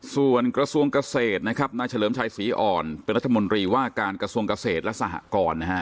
ส่วนกระทรวงเกษตรนะครับนายเฉลิมชัยศรีอ่อนเป็นรัฐมนตรีว่าการกระทรวงเกษตรและสหกรนะฮะ